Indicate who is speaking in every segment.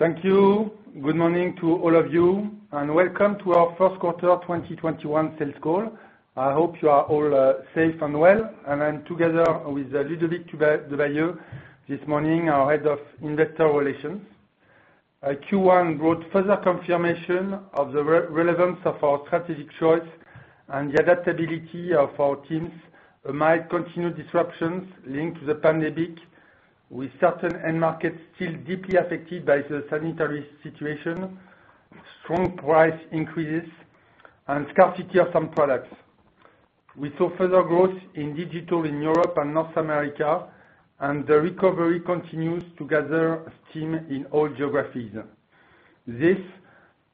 Speaker 1: Thank you. Good morning to all of you, welcome to our first quarter 2021 sales call. I hope you are all safe and well. I'm together with Ludovic Debailleux this morning, our Head of Investor Relations. Q1 brought further confirmation of the relevance of our strategic choice and the adaptability of our teams amid continued disruptions linked to the pandemic, with certain end markets still deeply affected by the sanitary situation, strong price increases, and scarcity of some products. We saw further growth in digital in Europe and North America, and the recovery continues to gather steam in all geographies. This,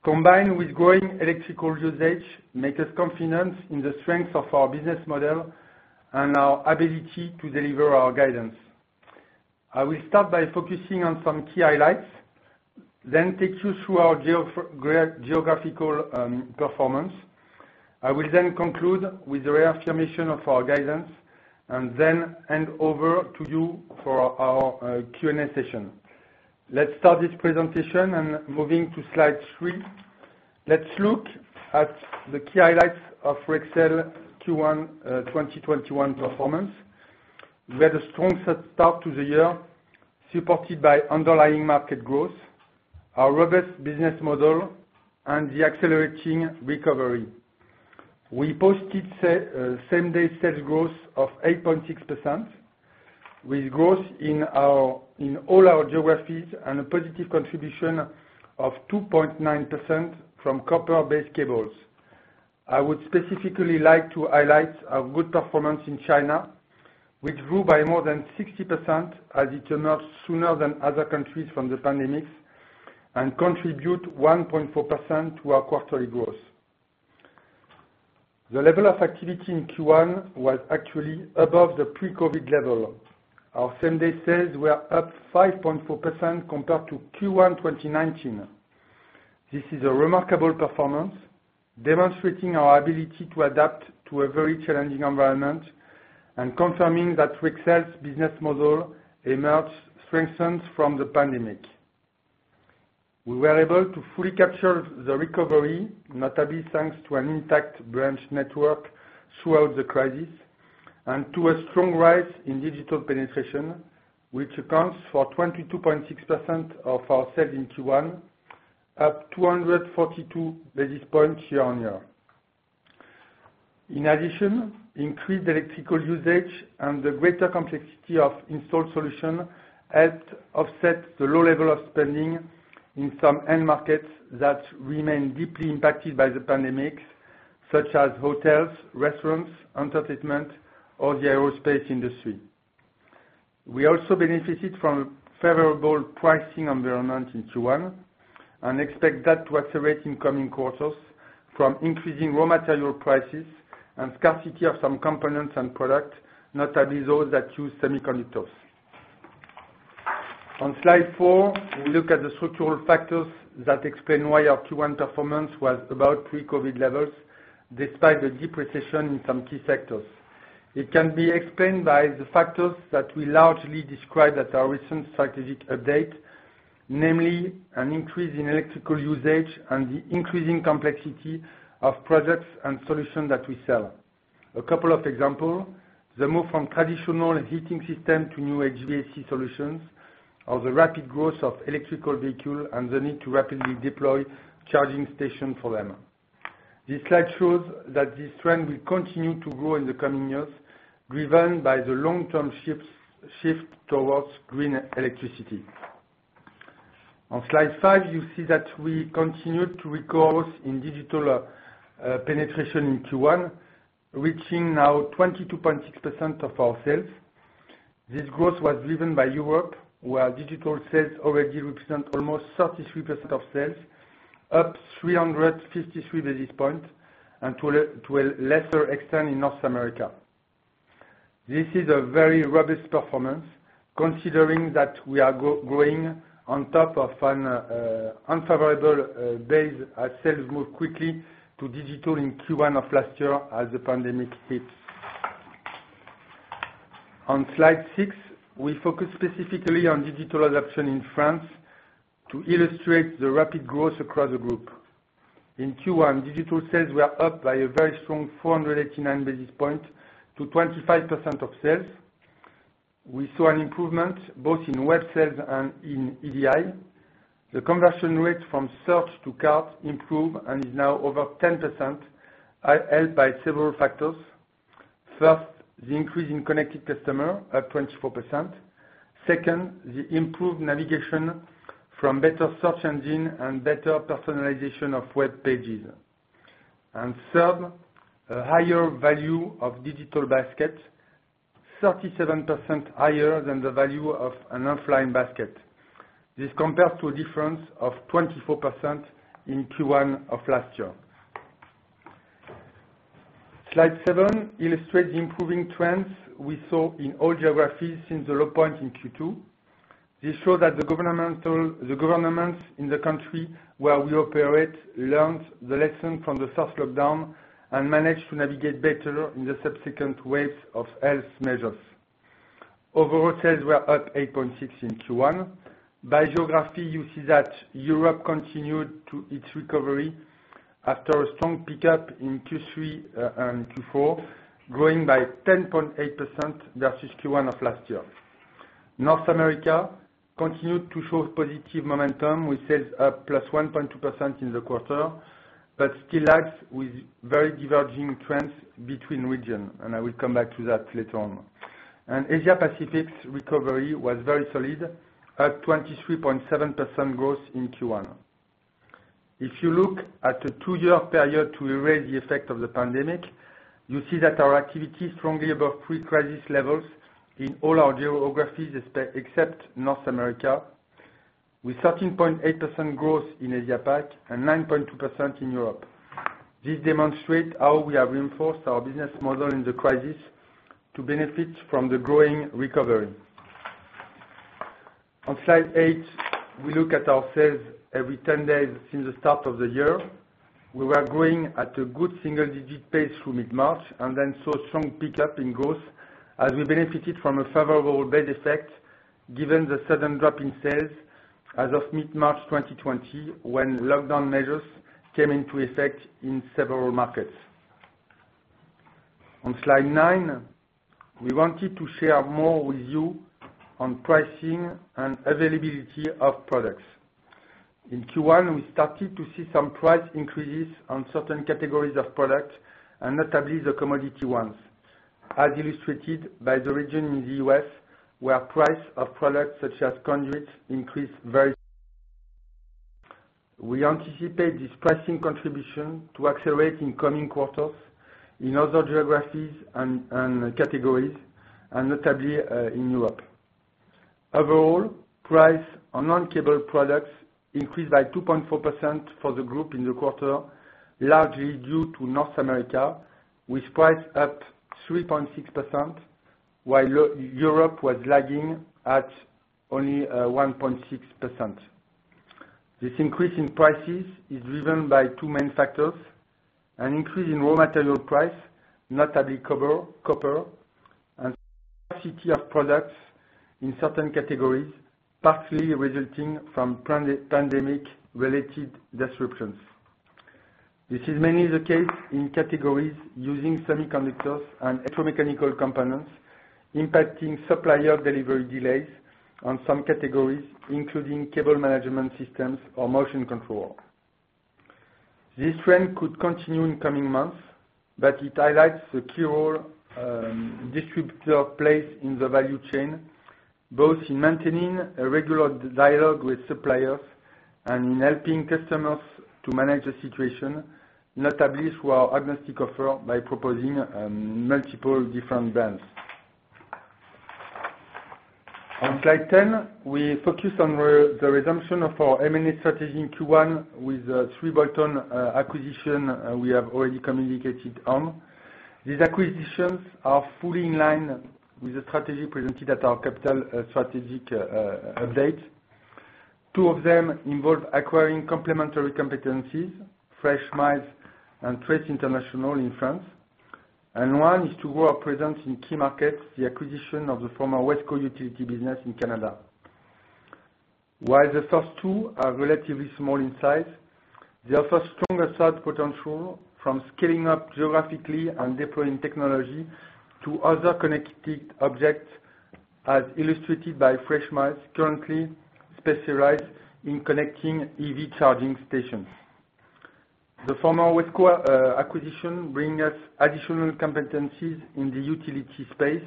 Speaker 1: combined with growing electrical usage, makes us confident in the strength of our business model and our ability to deliver our guidance. I will start by focusing on some key highlights, then take you through our geographical performance. I will then conclude with the reaffirmation of our guidance, and then hand over to you for our Q&A session. Let's start this presentation, and moving to slide three. Let's look at the key highlights of Rexel Q1 2021 performance. We had a strong start to the year, supported by underlying market growth, our robust business model, and the accelerating recovery. We posted same-day sales growth of 8.6%, with growth in all our geographies and a positive contribution of 2.9% from copper-based cables. I would specifically like to highlight our good performance in China, which grew by more than 60% as it emerged sooner than other countries from the pandemic and contribute 1.4% to our quarterly growth. The level of activity in Q1 was actually above the pre-COVID level. Our same-day sales were up 5.4% compared to Q1 2019. This is a remarkable performance, demonstrating our ability to adapt to a very challenging environment and confirming that Rexel's business model emerged strengthened from the pandemic. We were able to fully capture the recovery, notably thanks to an intact branch network throughout the crisis and to a strong rise in digital penetration, which accounts for 22.6% of our sales in Q1 at 242 basis points year-on-year. Increased electrical usage and the greater complexity of installed solutions helped offset the low level of spending in some end markets that remain deeply impacted by the pandemic, such as hotels, restaurants, entertainment, or the aerospace industry. We also benefited from favorable pricing environment in Q1 and expect that to accelerate in coming quarters from increasing raw material prices and scarcity of some components and products, notably those that use semiconductors. On slide four, we look at the structural factors that explain why our Q1 performance was above pre-COVID levels despite the deep recession in some key sectors. It can be explained by the factors that we largely described at our recent strategic update, namely an increase in electrical usage and the increasing complexity of products and solutions that we sell. A couple of example, the move from traditional heating system to new HVAC solutions, or the rapid growth of electric vehicle and the need to rapidly deploy charging station for them. This slide shows that this trend will continue to grow in the coming years, driven by the long-term shift towards green electricity. On slide five, you see that we continued to record growth in digital penetration in Q1, reaching now 22.6% of our sales. This growth was driven by Europe, where digital sales already represent almost 33% of sales, up 353 basis points, and to a lesser extent in North America. This is a very robust performance considering that we are growing on top of an unfavorable base as sales move quickly to digital in Q1 of last year as the pandemic hits. On slide six, we focus specifically on digital adoption in France to illustrate the rapid growth across the group. In Q1, digital sales were up by a very strong 489 basis points to 25% of sales. We saw an improvement both in web sales and in EDI. The conversion rate from search to cart improved and is now over 10%, helped by several factors. First, the increase in connected customer at 24%. Second, the improved navigation from better search engine and better personalization of web pages. Third, a higher value of digital basket, 37% higher than the value of an offline basket. This compares to a difference of 24% in Q1 of last year. Slide seven illustrates the improving trends we saw in all geographies since the low point in Q2. This show that the governments in the country where we operate learned the lesson from the first lockdown and managed to navigate better in the subsequent waves of health measures. Overall sales were up 8.6% in Q1. By geography, you see that Europe continued to its recovery after a strong pickup in Q3 and Q4, growing by 10.8% versus Q1 of last year. North America continued to show positive momentum, with sales up +1.2% in the quarter, but still lags with very diverging trends between region. I will come back to that later on. Asia Pacific's recovery was very solid at 23.7% growth in Q1. If you look at the two-year period to erase the effect of the pandemic, you see that our activity is strongly above pre-crisis levels in all our geographies except North America, with 13.8% growth in Asia-Pacific and 9.2% in Europe. This demonstrates how we have reinforced our business model in the crisis to benefit from the growing recovery. On slide eight, we look at our sales every 10 days since the start of the year. We were growing at a good single-digit pace through mid-March, and then saw strong pickup in growth as we benefited from a favorable base effect given the sudden drop in sales as of mid-March 2020, when lockdown measures came into effect in several markets. On slide nine, we wanted to share more with you on pricing and availability of products. In Q1, we started to see some price increases on certain categories of products, and notably the commodity ones, as illustrated by the region in the U.S., where price of products such as conduit increased very. We anticipate this pricing contribution to accelerate in coming quarters in other geographies and categories, and notably in Europe. Overall, price on non-cable products increased by 2.4% for the group in the quarter, largely due to North America, with price up 3.6%, while Europe was lagging at only 1.6%. This increase in prices is driven by two main factors, an increase in raw material price, notably copper, and scarcity of products in certain categories, partially resulting from pandemic-related disruptions. This is mainly the case in categories using semiconductors and electromechanical components, impacting supplier delivery delays on some categories, including cable management systems or motion control. This trend could continue in coming months, but it highlights the key role distributor plays in the value chain, both in maintaining a regular dialogue with suppliers and in helping customers to manage the situation, notably through our agnostic offer by proposing multiple different brands. On slide 10, we focus on the resumption of our M&A strategy in Q1 with the three bolt-on acquisitions we have already communicated on. These acquisitions are fully in line with the strategy presented at our Capital Market Day. Two of them involve acquiring complementary competencies, Freshmile and Trace Software International in France, and one is to grow our presence in key markets, the acquisition of the former WESCO Utility business in Canada. While the first two are relatively small in size, they offer stronger sales potential from scaling up geographically and deploying technology to other connected objects as illustrated by Freshmile currently specialized in connecting EV charging stations. The former WESCO acquisition bring us additional competencies in the utility space,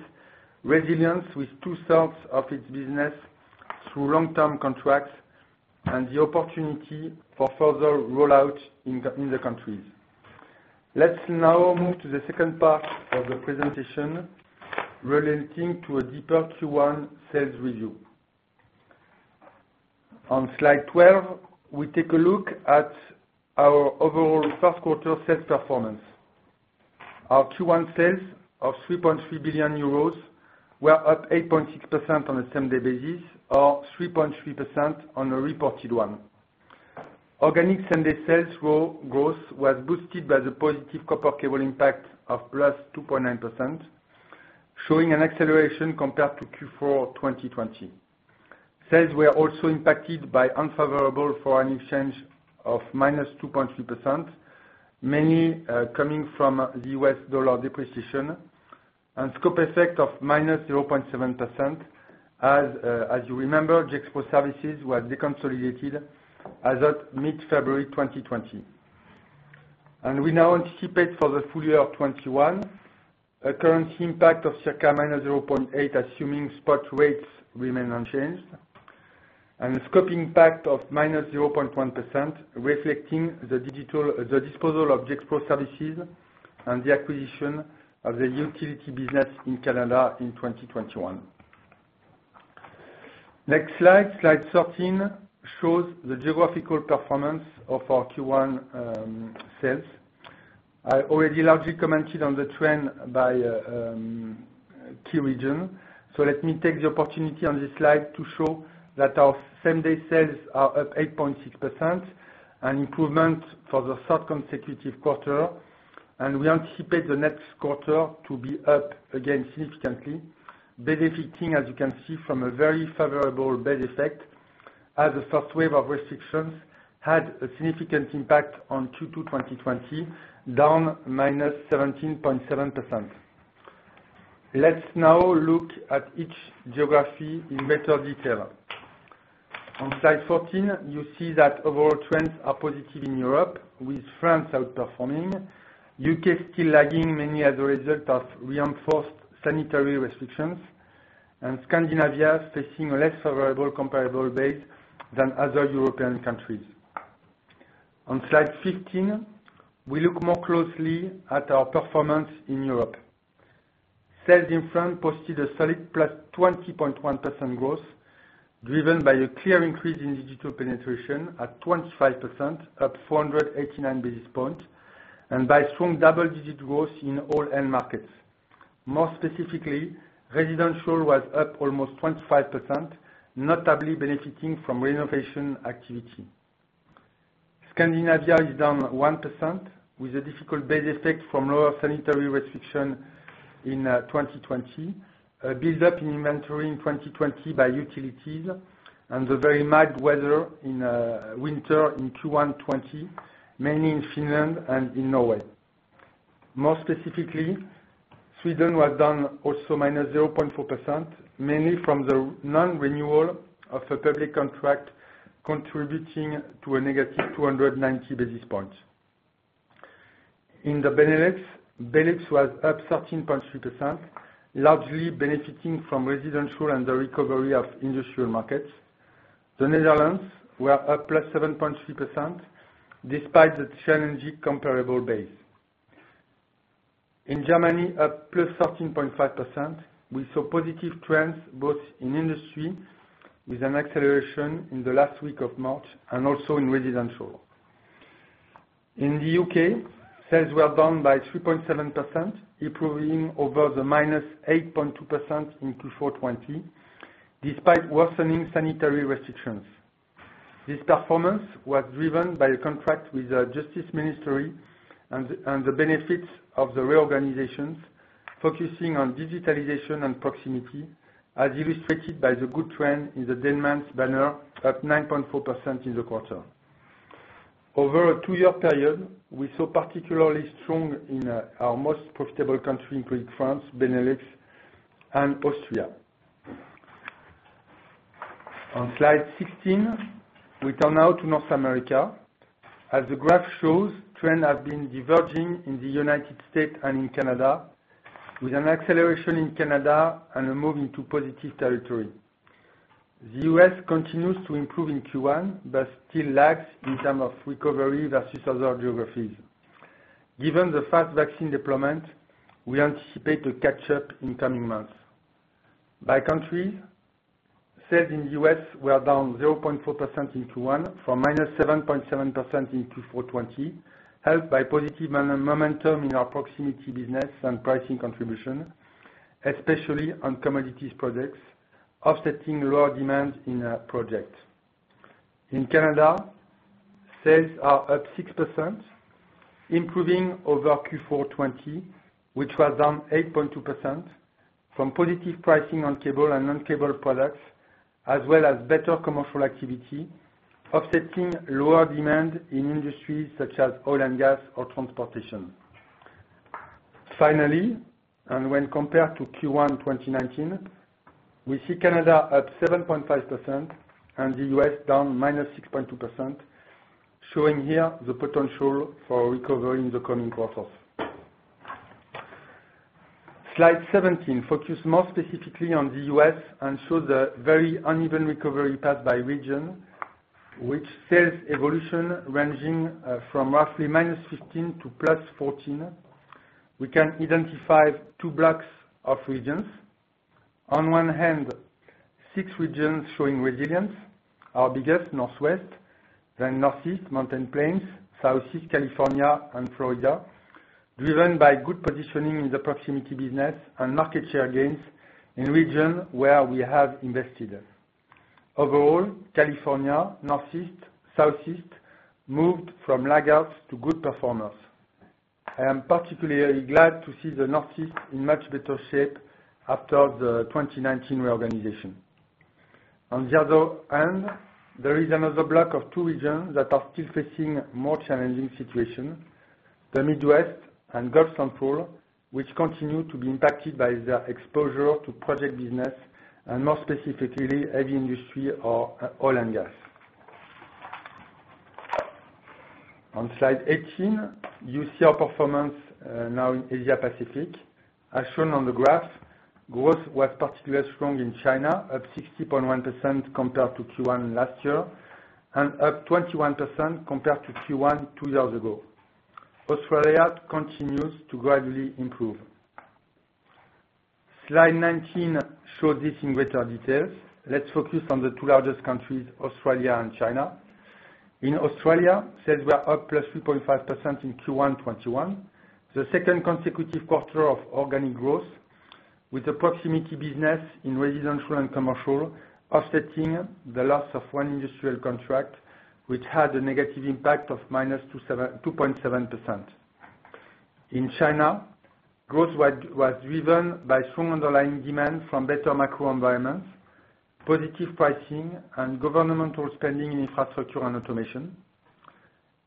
Speaker 1: resilience with two-thirds of its business through long-term contracts, and the opportunity for further rollout in the countries. Let's now move to the second part of the presentation relating to a deeper Q1 sales review. On slide 12, we take a look at our overall first quarter sales performance. Our Q1 sales of 3.3 billion euros, were up 8.6% on a same-day basis or 3.3% on a reported one. Organic same-day sales growth was boosted by the positive copper cable impact of +2.9%, showing an acceleration compared to Q4 2020. Sales were also impacted by unfavorable foreign exchange of -2.3%, mainly coming from the U.S. dollar depreciation, and scope effect of -0.7%, as you remember, Gexpro Services were deconsolidated as of mid-February 2020. We now anticipate for the full year 2021 a currency impact of circa -0.8% assuming spot rates remain unchanged, and a scope impact of -0.1%, reflecting the disposal of Gexpro Services and the acquisition of the utility business in Canada in 2021. Next slide 13, shows the geographical performance of our Q1 sales. I already largely commented on the trend by key region. Let me take the opportunity on this slide to show that our same-day sales are up 8.6%, an improvement for the third consecutive quarter. We anticipate the next quarter to be up again significantly, benefiting, as you can see, from a very favorable base effect as the first wave of restrictions had a significant impact on Q2 2020, down -17.7%. Let's now look at each geography in better detail. On slide 14, you see that overall trends are positive in Europe, with France outperforming, U.K. still lagging, mainly as a result of reinforced sanitary restrictions, and Scandinavia facing a less favorable comparable base than other European countries. On slide 15, we look more closely at our performance in Europe. Sales in France posted a solid +20.1% growth, driven by a clear increase in digital penetration at 25%, up 489 basis points, and by strong double-digit growth in all end markets. More specifically, residential was up almost 25%, notably benefiting from renovation activity. Scandinavia is down 1%, with a difficult base effect from lower sanitary restriction in 2020, a build-up in inventory in 2020 by utilities, and the very mild weather in winter in Q1 2020, mainly in Finland and in Norway. More specifically, Sweden was down also -0.4%, mainly from the non-renewal of a public contract, contributing to a -290 basis points. In the Benelux was up 13.3%, largely benefiting from residential and the recovery of industrial markets. The Netherlands were up +7.3%, despite the challenging comparable base. In Germany, up +13.5%, we saw positive trends both in industry, with an acceleration in the last week of March, and also in residential. In the U.K., sales were down by 3.7%, improving over the -8.2% in Q4 2020, despite worsening sanitary restrictions. This performance was driven by a contract with the Justice Ministry and the benefits of the reorganizations focusing on digitalization and proximity, as illustrated by the good trend in the Denmans banner, up 9.4% in the quarter. Over a two-year period, we saw particularly strong in our most profitable country, including France, Benelux, and Austria. On slide 16, we turn now to North America. As the graph shows, trend has been diverging in the United States and in Canada, with an acceleration in Canada and a move into positive territory. The U.S. continues to improve in Q1, but still lags in term of recovery versus other geographies. Given the fast vaccine deployment, we anticipate a catch-up in coming months. By country, sales in the U.S. were down 0.4% in Q1 from -7.7% in Q4 2020, helped by positive momentum in our proximity business and pricing contribution, especially on commodities products, offsetting lower demand in a project. In Canada, sales are up 6%, improving over Q4 2020, which was down 8.2%, from positive pricing on cable and non-cable products, as well as better commercial activity, offsetting lower demand in industries such as oil and gas or transportation. Finally, when compared to Q1 2019, we see Canada at 7.5% and the U.S. down -6.2%, showing here the potential for recovery in the coming quarters. Slide 17 focus more specifically on the U.S. and show the very uneven recovery path by region, with sales evolution ranging from roughly -15% to +14%. We can identify two blocks of regions. On one hand, six regions showing resilience. Our biggest, Northwest, then Northeast, Mountain Plains, Southeast, California, and Florida, driven by good positioning in the proximity business and market share gains in region where we have invested. Overall, California, Northeast, Southeast, moved from laggards to good performers. I am particularly glad to see the Northeast in much better shape after the 2019 reorganization. On the other hand, there is another block of two regions that are still facing more challenging situation, the Midwest and Gulf Central, which continue to be impacted by their exposure to project business and more specifically, heavy industry or oil and gas. On slide 18, you see our performance now in Asia-Pacific. As shown on the graph, growth was particularly strong in China, up 60.1% compared to Q1 last year, and up 21% compared to Q1 two years ago. Australia continues to gradually improve. Slide 19 shows this in greater details. Let's focus on the two largest countries, Australia and China. In Australia, sales were up +3.5% in Q1 2021, the second consecutive quarter of organic growth. With the proximity business in residential and commercial offsetting the loss of one industrial contract, which had a negative impact of -2.7%. In China, growth was driven by strong underlying demand from better macro environments, positive pricing, and governmental spending in infrastructure and automation.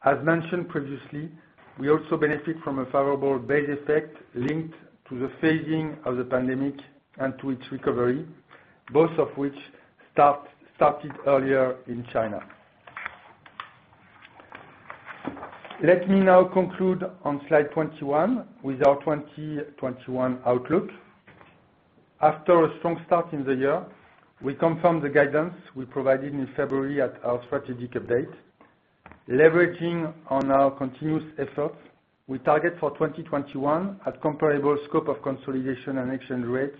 Speaker 1: As mentioned previously, we also benefit from a favorable base effect linked to the phasing of the pandemic and to its recovery, both of which started earlier in China. Let me now conclude on slide 21 with our 2021 outlook. After a strong start in the year, we confirmed the guidance we provided in February at our strategic update. Leveraging on our continuous efforts, we target for 2021 at comparable scope of consolidation and exchange rates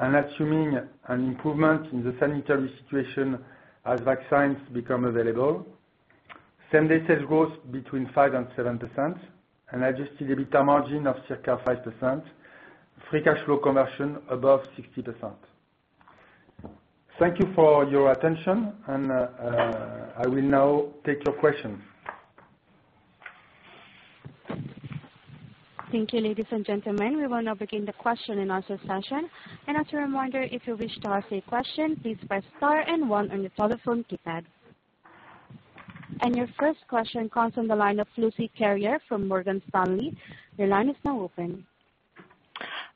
Speaker 1: and assuming an improvement in the sanitary situation as vaccines become available. Same-day sales growth between 5% and 7%, an adjusted EBITDA margin of circa 5%, free cash flow conversion above 60%. Thank you for your attention and I will now take your questions.
Speaker 2: Thank you, ladies and gentlemen. We will now begin the question-and-answer session. As a reminder, if you wish to ask a question, please press star and one on your telephone keypad. Your first question comes from the line of Lucie Carrier from Morgan Stanley. Your line is now open.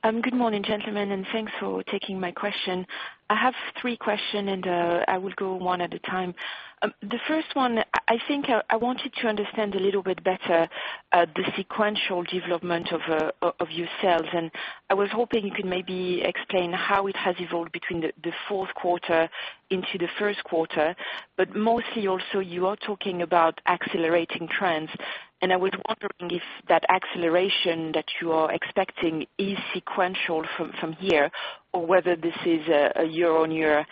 Speaker 3: Good morning, gentlemen, thanks for taking my question. I have three question and I will go one at a time. The first one, I think I wanted to understand a little bit better the sequential development of your sales. I was hoping you could maybe explain how it has evolved between the fourth quarter into the first quarter, but mostly also you are talking about accelerating trends. I was wondering if that acceleration that you are expecting is sequential from here or whether this is a year-on-year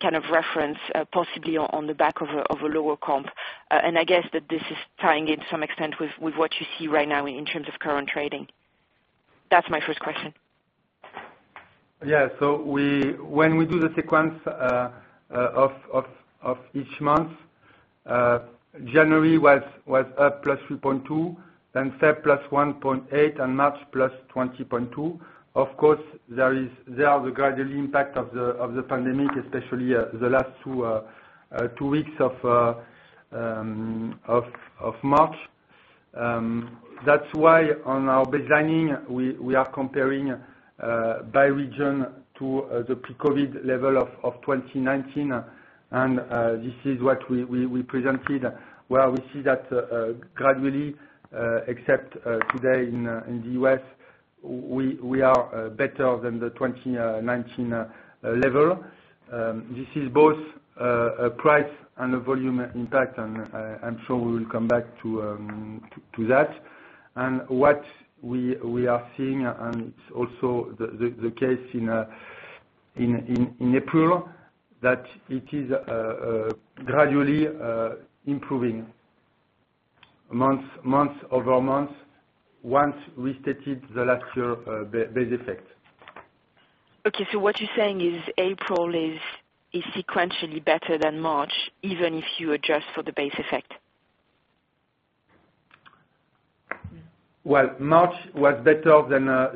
Speaker 3: kind of reference, possibly on the back of a lower comp. I guess that this is tying in some extent with what you see right now in terms of current trading. That's my first question.
Speaker 1: Yeah. When we do the sequence of each month, January was up +3.2%, then Feb +1.8%, and March +20.2%. Of course, there are the gradual impact of the pandemic, especially the last two weeks of March. That's why on our baselining, we are comparing by region to the pre-COVID level of 2019 and this is what we presented where we see that gradually, except today in the U.S., we are better than the 2019 level. This is both a price and a volume impact, and I'm sure we will come back to that. What we are seeing, and it's also the case in April, that it is gradually improving month-over-month once we stated the last year base effect.
Speaker 3: Okay. What you're saying is April is sequentially better than March, even if you adjust for the base effect?
Speaker 1: Well, March was better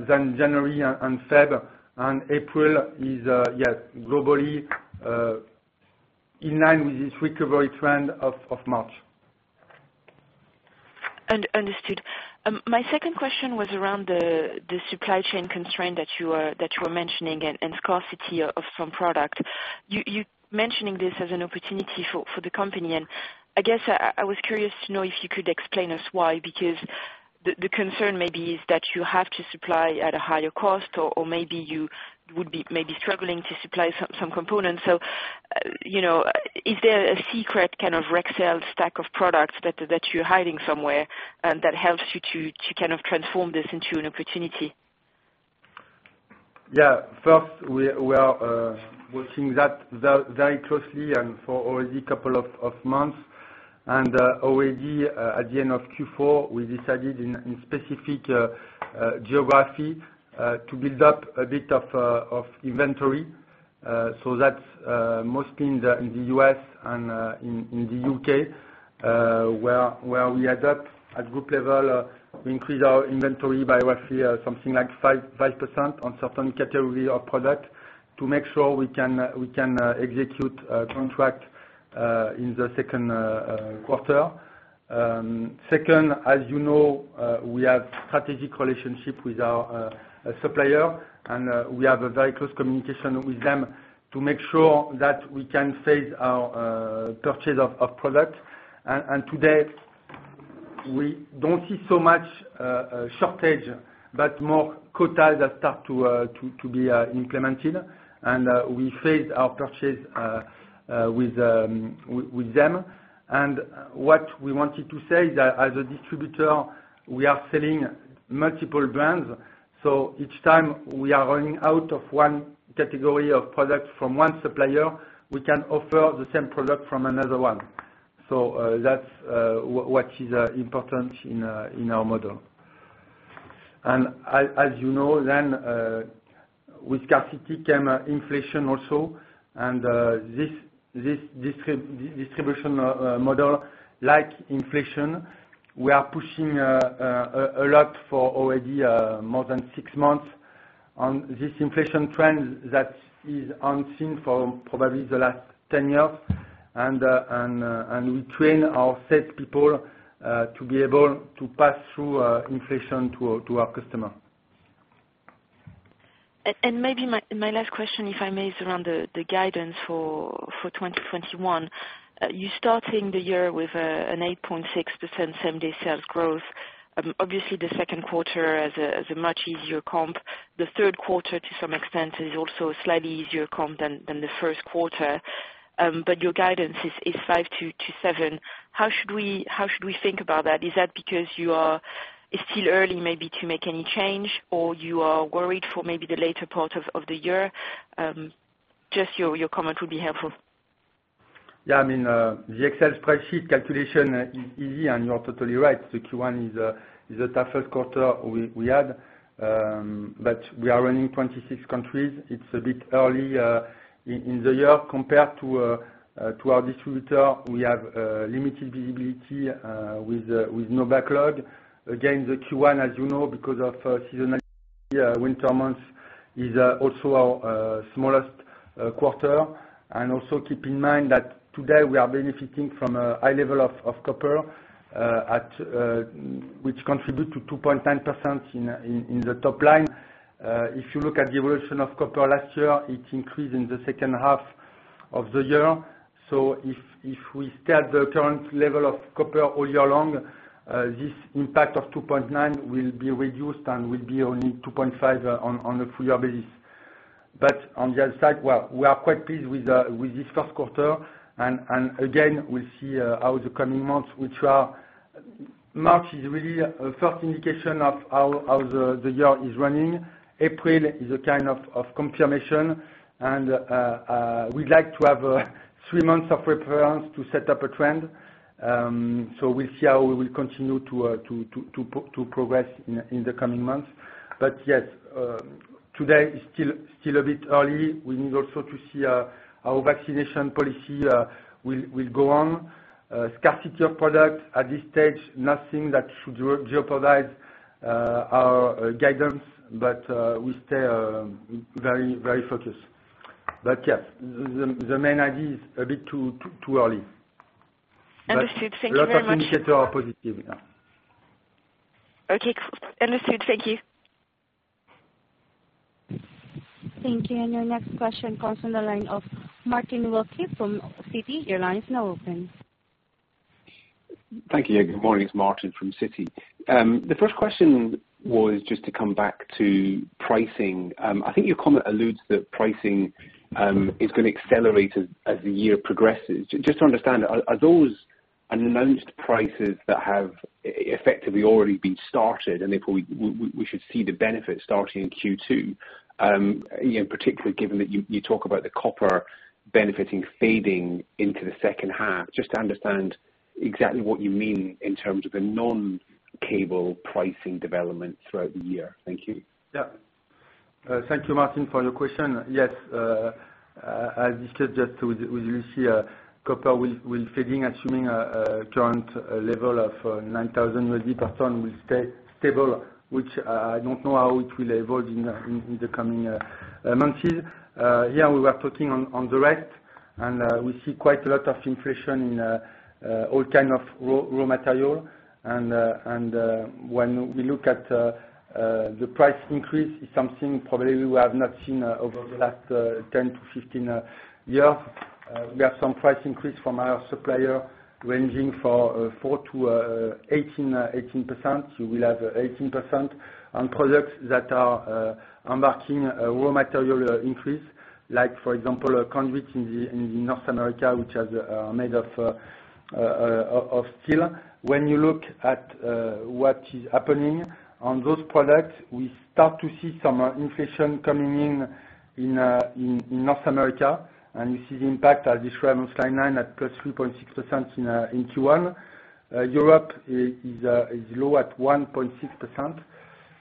Speaker 1: than January and Feb and April is, yeah, globally in line with this recovery trend of March.
Speaker 3: Understood. My second question was around the supply chain constraint that you were mentioning and scarcity of some product. You're mentioning this as an opportunity for the company, and I guess I was curious to know if you could explain us why, because the concern maybe is that you have to supply at a higher cost or maybe you would be maybe struggling to supply some components. Is there a secret kind of Rexel stack of products that you're hiding somewhere that helps you to kind of transform this into an opportunity?
Speaker 1: Yeah. First, we are working that very closely and for already couple of months. Already, at the end of Q4, we decided in specific geography, to build up a bit of inventory. That's mostly in the U.S. and in the U.K., where we adapt at group level, we increase our inventory by roughly something like 5% on certain category of product to make sure we can execute contract in the second quarter. Second, as you know, we have strategic relationship with our supplier and we have a very close communication with them to make sure that we can phase our purchase of product. Today we don't see so much shortage but more quotas that start to be implemented and we phase our purchase with them. What we wanted to say is that as a distributor, we are selling multiple brands. Each time we are running out of one category of product from one supplier, we can offer the same product from another one. That's what is important in our model. As you know, with scarcity came inflation also, and this distribution model, like inflation, we are pushing a lot for already more than six months on this inflation trend that is unseen for probably the last 10 years. We train our sales people to be able to pass through inflation to our customer.
Speaker 3: Maybe my last question, if I may, is around the guidance for 2021. You're starting the year with an 8.6% same-day sales growth. Obviously, the second quarter has a much easier comp. The third quarter to some extent is also a slightly easier comp than the first quarter. Your guidance is 5%-7%. How should we think about that? Is that because you are still early maybe to make any change, or you are worried for maybe the later part of the year? Just your comment would be helpful.
Speaker 1: Yeah, the Excel spreadsheet calculation is easy, and you are totally right. The Q1 is the toughest quarter we had. We are running 26 countries. It's a bit early in the year compared to our distributor. We have limited visibility with no backlog. Again, the Q1, as you know, because of seasonality, winter months is also our smallest quarter. Also keep in mind that today we are benefiting from a high level of copper, which contribute to 2.9% in the top line. If you look at the evolution of copper last year, it increased in the second half of the year. If we stay at the current level of copper all year long, this impact of 2.9% will be reduced and will be only 2.5% on a full-year basis. On the other side, we are quite pleased with this first quarter, and again, we'll see how the coming months will chart. March is really a first indication of how the year is running. April is a kind of confirmation, and we'd like to have three months of reference to set up a trend. We'll see how we will continue to progress in the coming months. Yes, today is still a bit early. We need also to see our vaccination policy will go on. Scarcity of product, at this stage, nothing that should jeopardize our guidance, but we stay very focused. Yes, the main idea is a bit too early.
Speaker 3: Understood. Thank you very much.
Speaker 1: A lot of indicators are positive, yeah.
Speaker 3: Okay, cool. Understood. Thank you.
Speaker 2: Thank you. Your next question comes from the line of Martin Wilkie from Citi. Your line is now open.
Speaker 4: Thank you. Good morning. It's Martin from Citi. The first question was just to come back to pricing. I think your comment alludes that pricing is going to accelerate as the year progresses. Just to understand, are those announced prices that have effectively already been started, and if we should see the benefit starting in Q2, particularly given that you talk about the copper benefiting fading into the second half, just to understand exactly what you mean in terms of the non-cable pricing development throughout the year. Thank you.
Speaker 1: Thank you, Martin, for your question. Yes, as discussed just with Lucie, copper will fading assuming a current level of 9,000 will stay stable, which I don't know how it will evolve in the coming months. Here, we were talking on the rest, we see quite a lot of inflation in all kind of raw material. When we look at the price increase, it's something probably we have not seen over the last 10-15 years. We have some price increase from our supplier ranging from 4%-18%. You will have 18% on products that are embarking a raw material increase, like for example, a conduit in the North America, which are made of steel. When you look at what is happening on those products, we start to see some inflation coming in North America, and you see the impact, as described on slide nine, at +3.6% in Q1. Europe is low at 1.6%,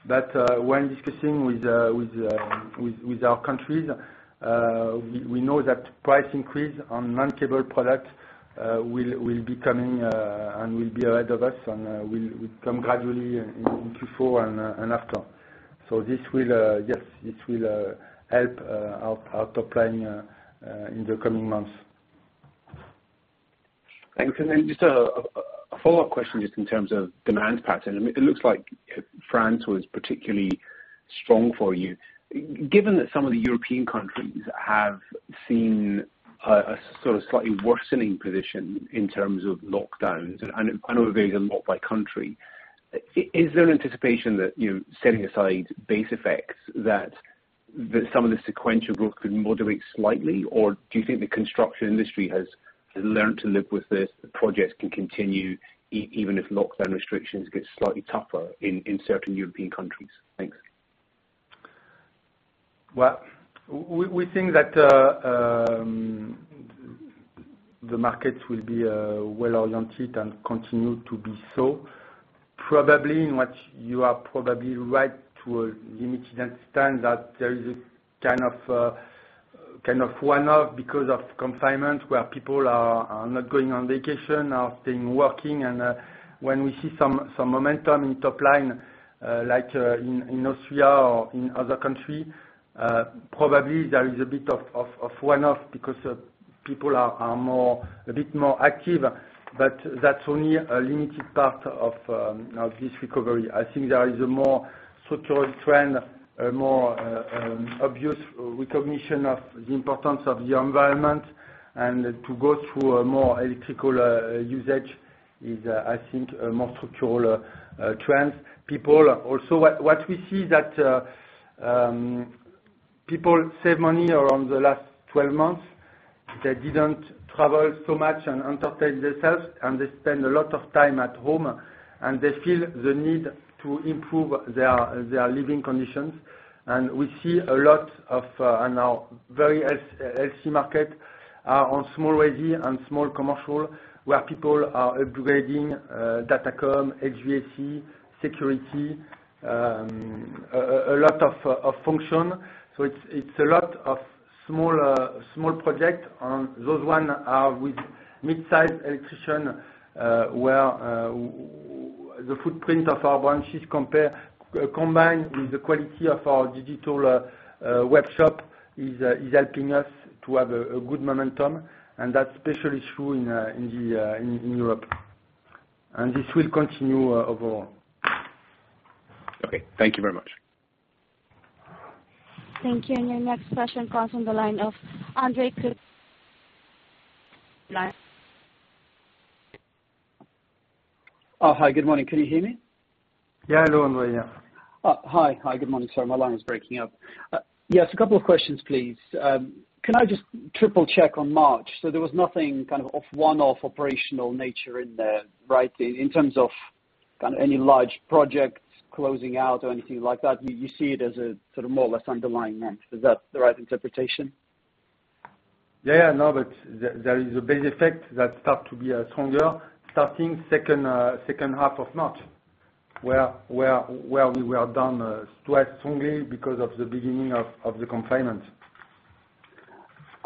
Speaker 1: but when discussing with our countries, we know that price increase on non-cable product will be coming and will be ahead of us, and will come gradually in Q4 and after. This will, yes, help our top line in the coming months.
Speaker 4: Thanks. Just a follow-up question, just in terms of demand pattern. It looks like France was particularly strong for you. Given that some of the European countries have seen a sort of slightly worsening position in terms of lockdowns, and I know it varies a lot by country, is there an anticipation that, setting aside base effects, that some of the sequential growth could moderate slightly? Do you think the construction industry has learned to live with this, the projects can continue, even if lockdown restrictions get slightly tougher in certain European countries? Thanks.
Speaker 1: Well, we think that the market will be well-oriented and continue to be so. In which you are probably right to a limited extent, that there is a kind of one-off because of confinement, where people are not going on vacation, are staying working. When we see some momentum in top line, like in Austria or in other country, probably there is a bit of one-off because people are a bit more active. That's only a limited part of this recovery. I think there is a more structural trend, a more obvious recognition of the importance of the environment, and to go through a more electrical usage is, I think, a more structural trends. What we see that people save money around the last 12 months. They didn't travel so much and entertain themselves. They spend a lot of time at home. They feel the need to improve their living conditions. We see a lot of, in our very healthy market, are on small resi and small commercial, where people are upgrading Datacom, HVAC, security, a lot of function. It's a lot of small project. On those one are with mid-size electrician, where the footprint of our branches combined with the quality of our digital web shop is helping us to have a good momentum. That's especially true in Europe. This will continue overall.
Speaker 4: Okay. Thank you very much.
Speaker 2: Thank you. Your next question comes from the line of Andre Kukhnin.
Speaker 5: Oh, hi. Good morning. Can you hear me?
Speaker 1: Yeah. Hello, Andre. Yeah.
Speaker 5: Oh, hi. Good morning. Sorry, my line is breaking up. Yes, a couple of questions, please. Can I just triple check on March? There was nothing kind of one-off operational nature in there, right? In terms of kind of any large projects closing out or anything like that, you see it as a sort of more or less underlying month. Is that the right interpretation?
Speaker 1: Yeah. No, there is a base effect that start to be stronger starting second half of March, where we were down quite strongly because of the beginning of the confinement.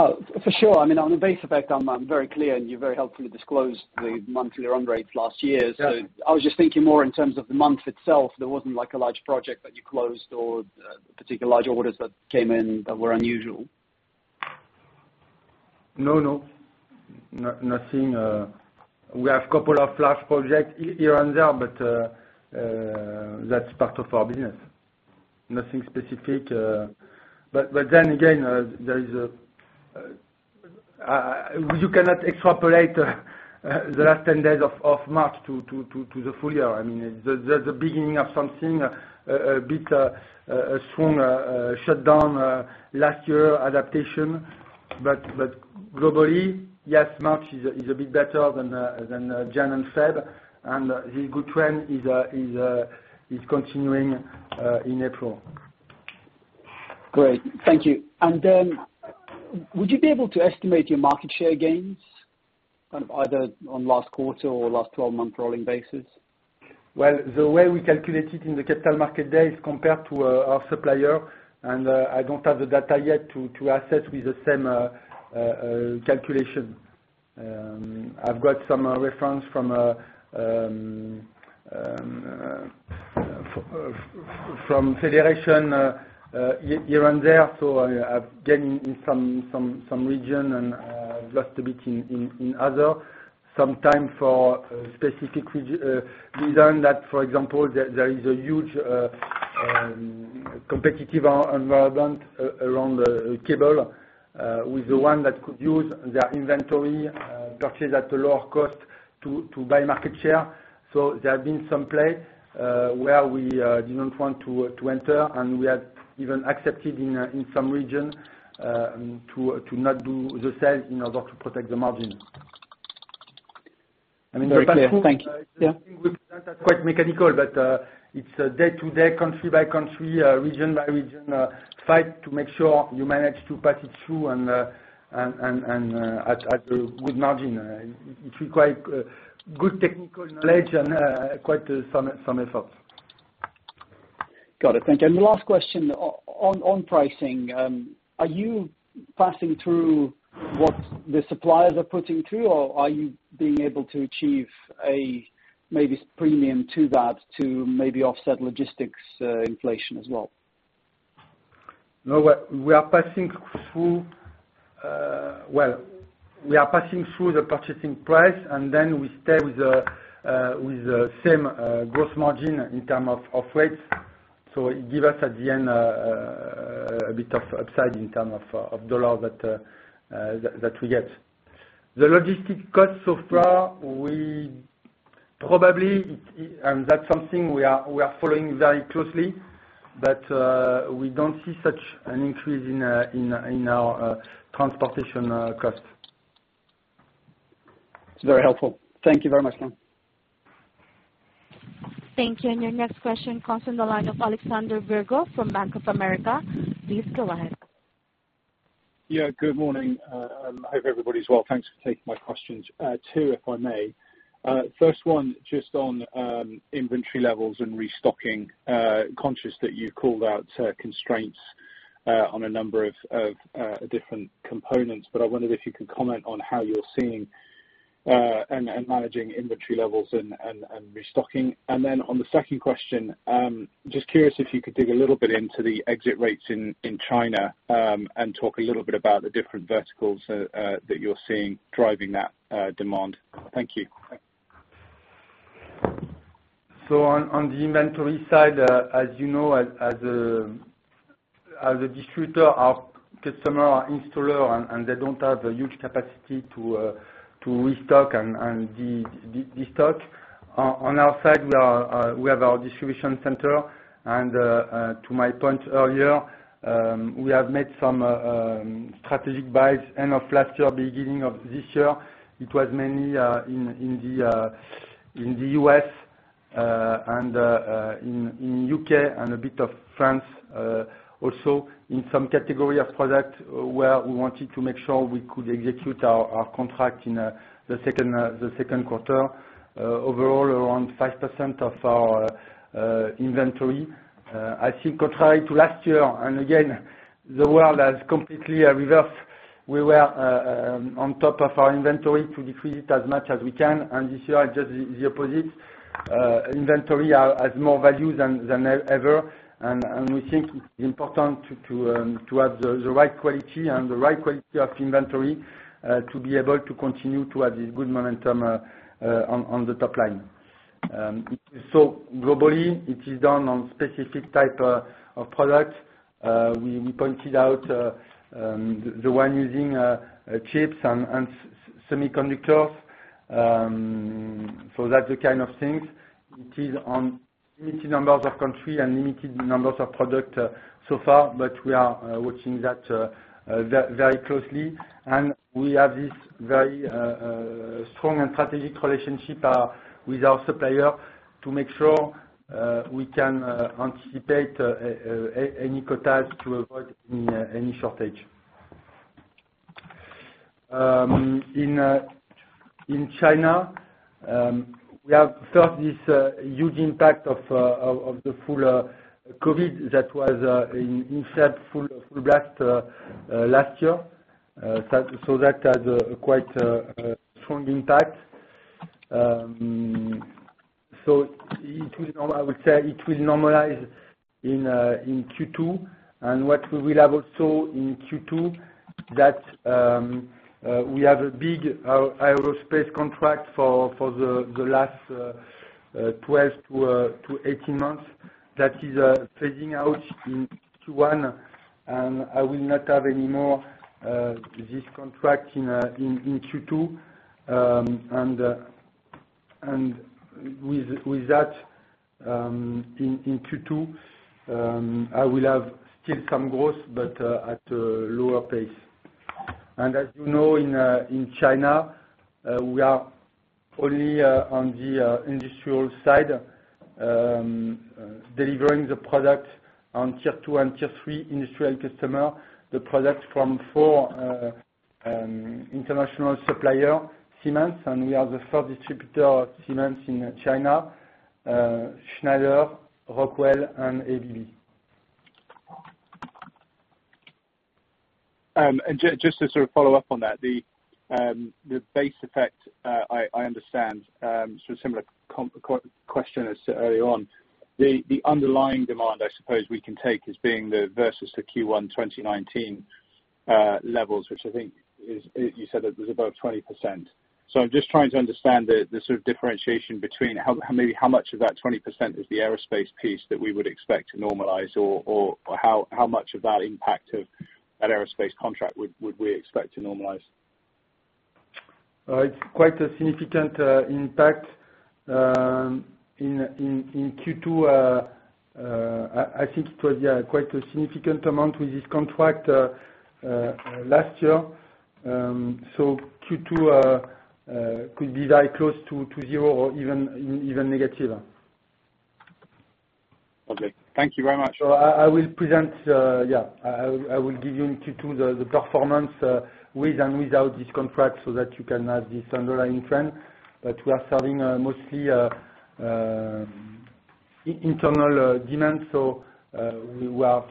Speaker 5: Oh, for sure. I mean, on the base effect, I'm very clear. You very helpfully disclosed the monthly run rates last year.
Speaker 1: Yeah.
Speaker 5: I was just thinking more in terms of the month itself, there wasn't like a large project that you closed or particular large orders that came in that were unusual.
Speaker 1: No. Nothing. We have couple of large projects here and there, but that's part of our business. Nothing specific. Again, you cannot extrapolate the last 10 days of March to the full year. I mean, the beginning of something, a bit a strong shutdown last year adaptation. Globally, yes, March is a bit better than Jan and Feb, and this good trend is continuing in April.
Speaker 5: Great. Thank you. Then would you be able to estimate your market share gains, kind of either on last quarter or last 12-month rolling basis?
Speaker 1: The way we calculate it in the Capital Market Day is compared to our supplier. I don't have the data yet to assess with the same calculation. I've got some reference from Federation here and there. I've gained in some region and lost a bit in other. Sometimes for specific reason that, for example, there is a huge competitive environment around cable, with the one that could use their inventory, purchased at a lower cost to buy market share. There have been some play, where we did not want to enter, and we had even accepted in some region to not do the sale in order to protect the margin.
Speaker 5: Very clear. Thank you. Yeah.
Speaker 1: That's quite mechanical, but it's a day-to-day, country-by-country, region-by-region, fight to make sure you manage to pass it through and at a good margin. It require good technical knowledge and quite some efforts.
Speaker 5: Got it. Thank you. The last question, on pricing, are you passing through what the suppliers are putting through, or are you being able to achieve a maybe premium to that to maybe offset logistics inflation as well?
Speaker 1: No. Well, we are passing through the purchasing price, and then we stay with the same gross margin in terms of rates. It give us at the end a bit of upside in terms of U.S. dollar that we get. The logistic cost so far, we probably, and that's something we are following very closely, but we don't see such an increase in our transportation cost.
Speaker 5: It's very helpful. Thank you very much.
Speaker 2: Thank you. Your next question comes on the line of Alexander Virgo from Bank of America. Please go ahead.
Speaker 6: Good morning. I hope everybody's well. Thanks for taking my questions. Two, if I may. First one just on inventory levels and restocking. Conscious that you called out constraints on a number of different components, but I wondered if you could comment on how you're seeing and managing inventory levels and restocking. On the second question, just curious if you could dig a little bit into the exit rates in China and talk a little bit about the different verticals that you're seeing driving that demand. Thank you.
Speaker 1: On the inventory side, as you know, as a distributor, our customer, our installer, and they don't have a huge capacity to restock and destock. On our side, we have our distribution center. To my point earlier, we have made some strategic buys end of last year, beginning of this year. It was mainly in the U.S., and in the U.K., and a bit of France. Also in some category of product where we wanted to make sure we could execute our contract in the second quarter. Overall, around 5% of our inventory. I think contrary to last year, and again, the world has completely reversed. We were on top of our inventory to decrease it as much as we can, and this year just the opposite. Inventory has more value than ever. We think it's important to have the right quality and the right quality of inventory, to be able to continue to have this good momentum on the top line. Globally, it is done on specific type of product. We pointed out the one using chips and semiconductors. That's the kind of things. It is on limited numbers of country and limited numbers of product so far, but we are watching that very closely, and we have this very strong and strategic relationship with our supplier to make sure we can anticipate any quotas to avoid any shortage. In China, we have felt this huge impact of the full COVID that was in full blast last year. That had a quite a strong impact. I would say it will normalize in Q2. What we will have also in Q2, that we have a big aerospace contract for the last 12-18 months that is phasing out in Q1. I will not have any more this contract in Q2. With that in Q2, I will have still some growth, but at a lower pace. As you know, in China, we are only on the industrial side, delivering the product on Tier 2 and Tier 3 industrial customer, the product from four international supplier, Siemens, and we are the third distributor of Siemens in China, Schneider, Rockwell, and ABB.
Speaker 6: Just to sort of follow up on that, the base effect, I understand, sort of similar question as to early on. The underlying demand, I suppose we can take as being the versus to Q1 2019 levels, which I think you said that was above 20%. I'm just trying to understand the sort of differentiation between maybe how much of that 20% is the aerospace piece that we would expect to normalize, or how much of that impact of that aerospace contract would we expect to normalize?
Speaker 1: It's quite a significant impact in Q2. I think it was, yeah, quite a significant amount with this contract last year. Q2 could be very close to zero or even negative.
Speaker 6: Okay. Thank you very much.
Speaker 1: I will present, yeah, I will give you in Q2 the performance, with and without this contract so that you can have this underlying trend. We are serving mostly internal demand, so we have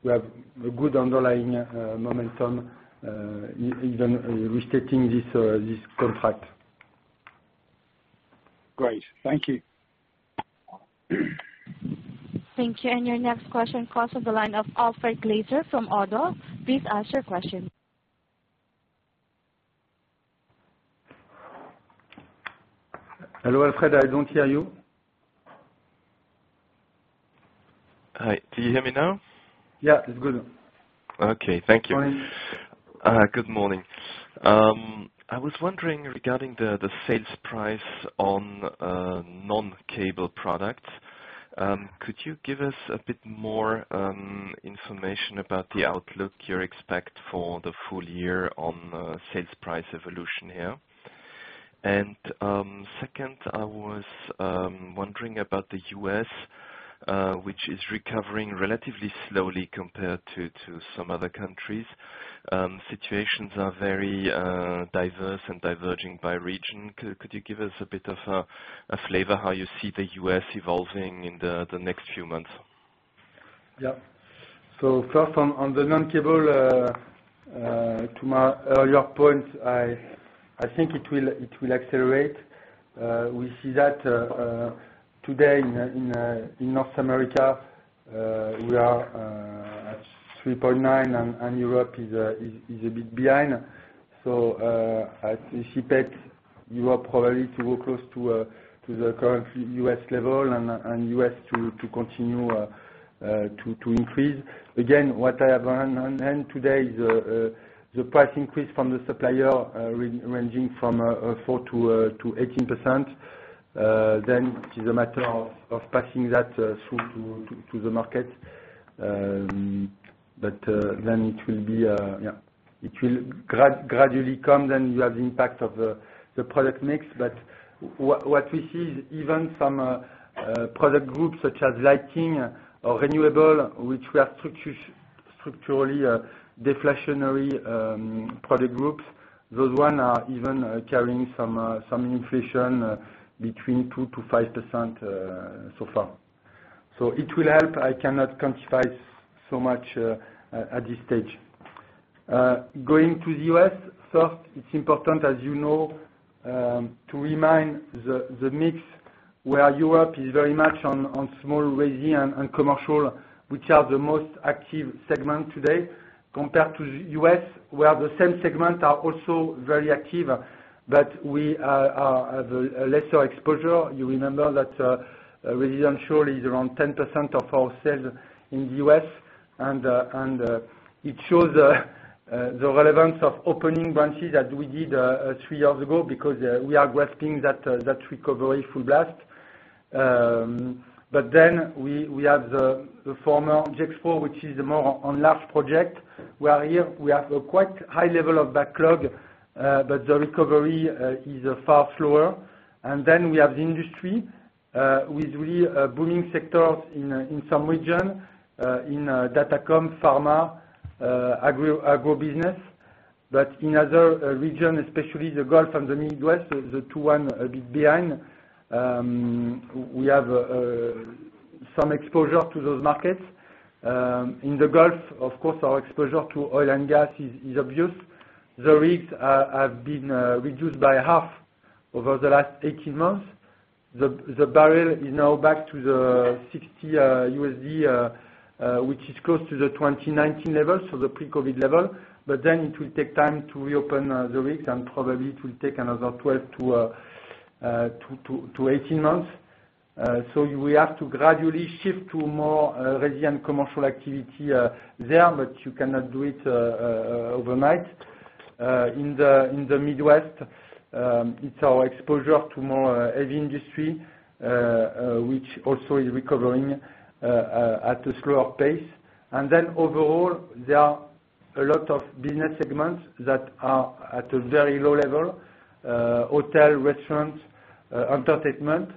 Speaker 1: a good underlying momentum even restating this contract.
Speaker 6: Great. Thank you.
Speaker 2: Thank you. Your next question comes on the line of Alfred Glaser from ODDO. Please ask your question.
Speaker 1: Hello, Alfred, I don't hear you.
Speaker 7: Hi, do you hear me now?
Speaker 1: Yeah, it's good.
Speaker 7: Okay. Thank you.
Speaker 1: Morning.
Speaker 7: Good morning. I was wondering regarding the sales price on non-cable products. Could you give us a bit more information about the outlook you expect for the full year on sales price evolution here? Second, I was wondering about the U.S., which is recovering relatively slowly compared to some other countries. Situations are very diverse and diverging by region. Could you give us a bit of a flavor how you see the U.S. evolving in the next few months?
Speaker 1: First on the non-cable, to my earlier point, I think it will accelerate. We see that today in North America, we are at 3.9%, and Europe is a bit behind. I see perhaps Europe probably to go close to the current U.S. level and U.S. to continue to increase. What I have on hand today is the price increase from the supplier, ranging from 4%-18%. It is a matter of passing that through to the market. It will gradually come, then you have the impact of the product mix. What we see is even some product groups such as lighting or renewable, which we have structurally deflationary product groups, those ones are even carrying some inflation between 2%-5% so far. It will help. I cannot quantify so much at this stage. Going to the U.S., first, it's important, as you know, to remind the mix where Europe is very much on small resi and commercial, which are the most active segment today, compared to the U.S., where the same segment are also very active. We have a lesser exposure. You remember that residential is around 10% of our sales in the U.S., and it shows the relevance of opening branches that we did three years ago because we are grasping that recovery full blast. We have the former Gexpro, which is more on large project, where here we have a quite high level of backlog, but the recovery is far slower. We have the industry, with really booming sectors in some region, in Datacom, pharma, agribusiness. In other region, especially the Gulf Central and the Midwest, the two one a bit behind. We have some exposure to those markets. In the Gulf, of course, our exposure to oil and gas is obvious. The rigs have been reduced by half over the last 18 months. The barrel is now back to the $60, which is close to the 2019 level, so the pre-COVID level. It will take time to reopen the rigs, and probably it will take another 12-18 months. We have to gradually shift to more resi and commercial activity there, but you cannot do it overnight. In the Midwest, it's our exposure to more heavy industry, which also is recovering at a slower pace. Overall, there are a lot of business segments that are at a very low level. Hotel, restaurant, entertainment.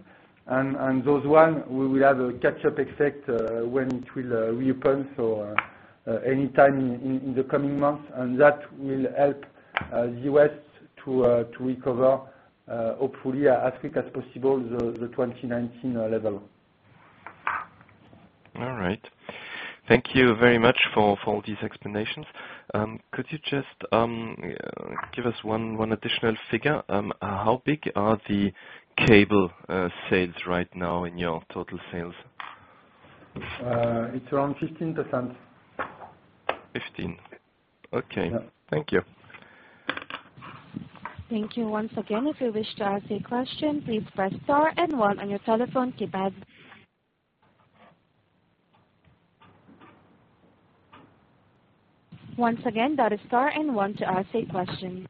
Speaker 1: Those one, we will have a catch-up effect when it will reopen, so any time in the coming months. That will help the U.S. to recover, hopefully as quick as possible, the 2019 level.
Speaker 7: All right. Thank you very much for all these explanations. Could you just give us one additional figure? How big are the cable sales right now in your total sales?
Speaker 1: It's around 15%.
Speaker 7: 15%. Okay.
Speaker 1: Yeah.
Speaker 7: Thank you.
Speaker 2: Thank you once again. If you wish to ask a question, please press star and one on your telephone keypad. Once again, that is star and one to ask a question.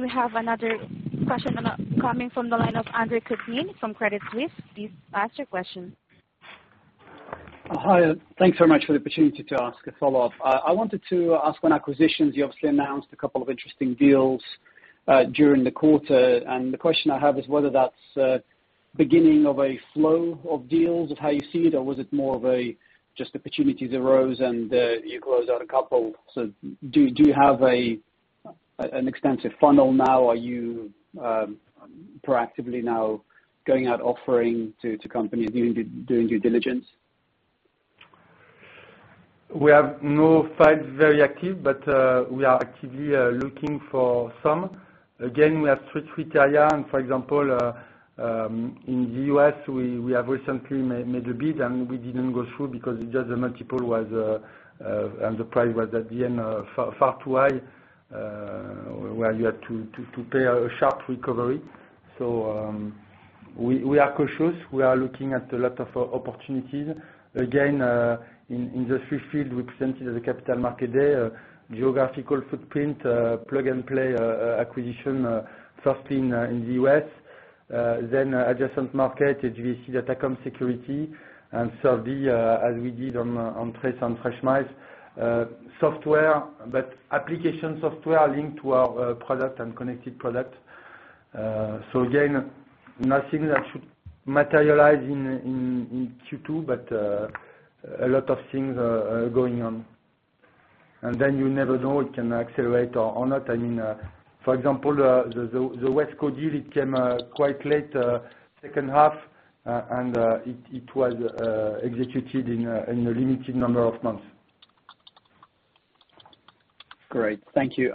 Speaker 2: We have another question coming from the line of Andre Kukhnin from Credit Suisse. Please ask your question.
Speaker 5: Hi, thanks very much for the opportunity to ask a follow-up. I wanted to ask on acquisitions, you obviously announced a couple of interesting deals during the quarter. The question I have is whether that's beginning of a flow of deals of how you see it, or was it more of a just opportunities arose and you closed out a couple? Do you have an extensive funnel now? Are you proactively now going out offering to companies, doing due diligence?
Speaker 1: We have no files very active, but we are actively looking for some. We have three criteria. For example, in the U.S., we have recently made a bid, and we didn't go through because just the multiple and the price was at the end far too high, where you had to pay a sharp recovery. We are cautious. We are looking at a lot of opportunities. In the three fields we presented at the Capital Market Day, geographical footprint, plug-and-play acquisition, first in the U.S., then adjacent market, HVAC, Datacom, Security, and services, as we did on Trace and Freshmile. Software, but application software linked to our product and connected product. Nothing that should materialize in Q2, but a lot of things are going on. You never know, it can accelerate or not. For example, the WESCO deal, it came quite late second half, and it was executed in a limited number of months.
Speaker 5: Great. Thank you.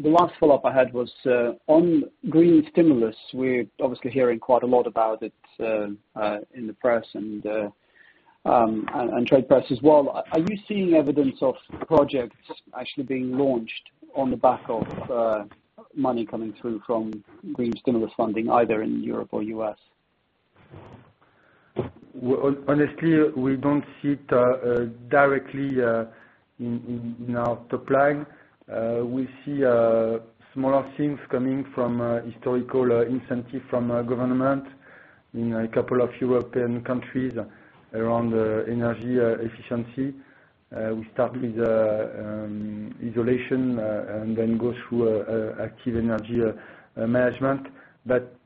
Speaker 5: The last follow-up I had was on green stimulus. We're obviously hearing quite a lot about it in the press and trade press as well. Are you seeing evidence of projects actually being launched on the back of money coming through from green stimulus funding, either in Europe or U.S.?
Speaker 1: Honestly, we don't see it directly in our top line. We see smaller things coming from historical incentive from government in a couple of European countries around energy efficiency. We start with insulation, and then go through active energy management.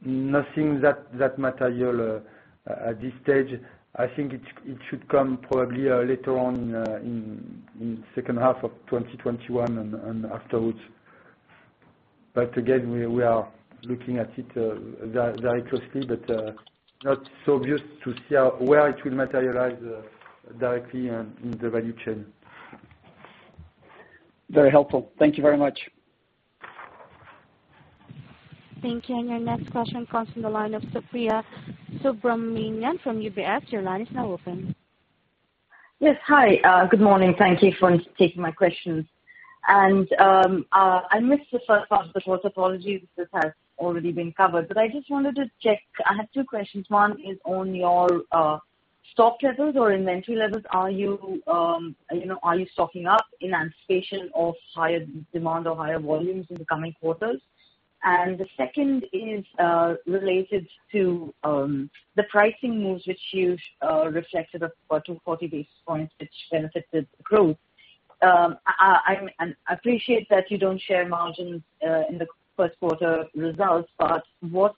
Speaker 1: Nothing that material at this stage. I think it should come probably later on in second half of 2021 and afterwards. Again, we are looking at it very closely, but not so obvious to see where it will materialize directly in the value chain.
Speaker 5: Very helpful. Thank you very much.
Speaker 2: Thank you. Your next question comes from the line of Supriya Subramanian from UBS. Your line is now open.
Speaker 8: Yes, hi. Good morning. Thank you for taking my questions. I missed the first part, so apologies if this has already been covered. I just wanted to check, I have two questions. One is on your stock levels or inventory levels. Are you stocking up in anticipation of higher demand or higher volumes in the coming quarters? The second is related to the pricing moves which you reflected of 240 basis points, which benefited growth. I appreciate that you don't share margins in the first quarter results, but what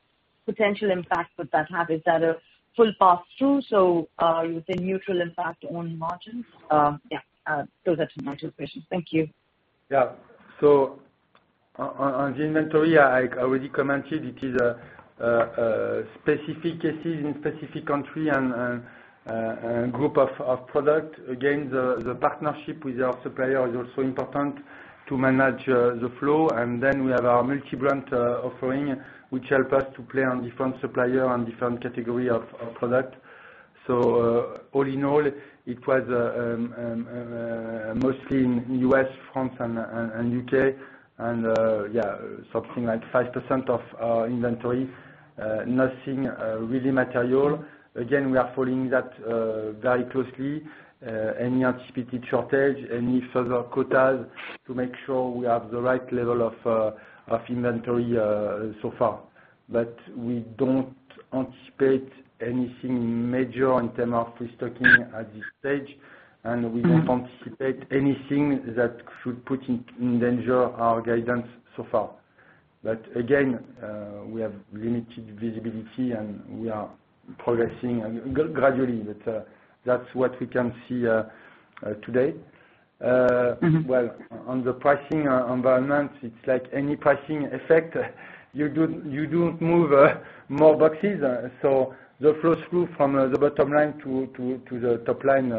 Speaker 8: potential impact would that have? Is that a full pass-through, so with a neutral impact on margins? Yeah. Those are my two questions. Thank you.
Speaker 1: Yeah. On the inventory, I already commented it is a specific cases in specific country and group of product. Again, the partnership with our supplier is also important to manage the flow. We have our multi-brand offering, which help us to play on different supplier and different category of product. All in all, it was mostly in U.S., France, and U.K., and yeah, something like 5% of our inventory. Nothing really material. Again, we are following that very closely. Any anticipated shortage, any further quotas to make sure we have the right level of inventory so far. We don't anticipate anything major in term of restocking at this stage, and we don't anticipate anything that should put in danger our guidance so far. Again, we have limited visibility, and we are progressing gradually, but that's what we can see today. Well, on the pricing environment, it's like any pricing effect. You don't move more boxes. The flow through from the bottom line to the top line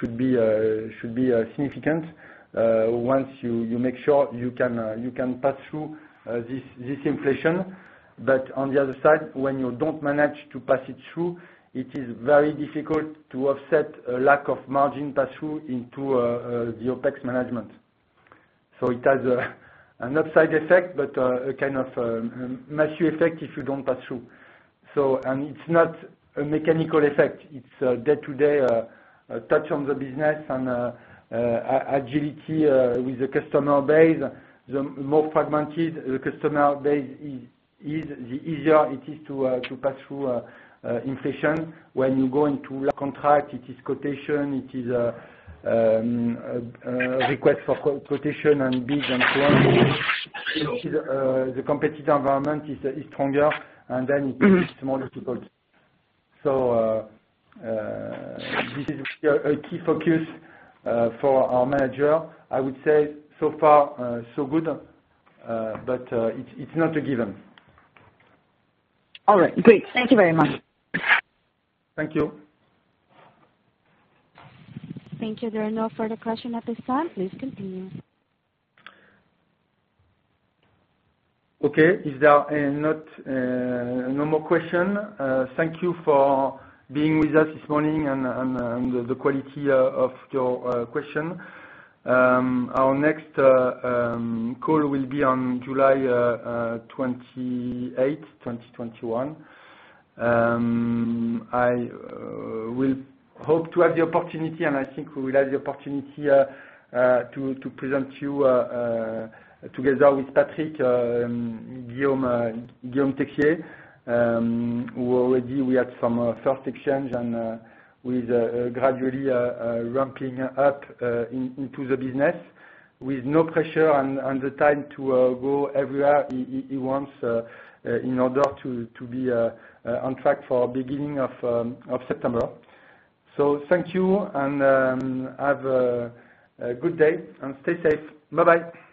Speaker 1: should be significant. Once you make sure you can pass through this inflation. On the other side, when you don't manage to pass it through, it is very difficult to offset a lack of margin pass-through into the OpEx management. It has an upside effect, but a kind of massive effect if you don't pass through. It's not a mechanical effect. It's a day-to-day touch on the business and agility with the customer base. The more fragmented the customer base is, the easier it is to pass through inflation. When you go into contract, it is quotation, it is request for quotation and bids, and so on. The competitive environment is stronger. It makes it more difficult. This is a key focus for our manager. I would say so far so good, but it's not a given.
Speaker 8: All right, great. Thank you very much.
Speaker 1: Thank you.
Speaker 2: Thank you. There are no further question at this time. Please continue.
Speaker 9: Okay. If there are no more questions, thank you for being with us this morning and the quality of your questions. Our next call will be on July 28, 2021. I will hope to have the opportunity, and I think we will have the opportunity to present to you, together with Patrick, Guillaume Texier, who already we had some first exchange, and with gradually ramping up into the business with no pressure and the time to go everywhere he wants in order to be on track for beginning of September. Thank you, and have a good day, and stay safe. Bye-bye.